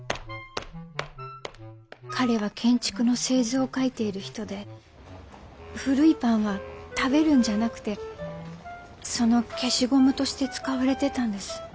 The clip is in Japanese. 彼は建築の製図を描いている人で古いパンは食べるんじゃなくてその消しゴムとして使われてたんです。